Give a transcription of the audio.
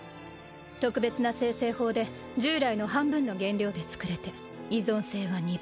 特別な精製法で従来の半分の原料でつくれて依存性は２倍。